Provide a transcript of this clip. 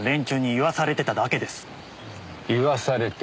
言わされてた。